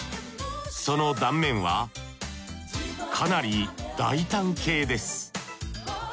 その断面はかなり大胆系です